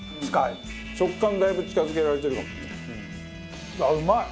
食感だいぶ近付けられてるかもしれない。